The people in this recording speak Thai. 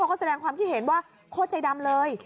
ก็แสดงความคิดเห็นว่าโคตรใจดำเลย